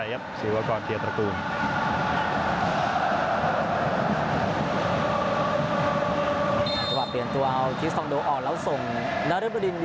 ได้ครับจริงก็พร้อมเพลียดแตระปูน